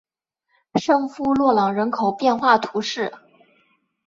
圣夫洛朗人口变化图示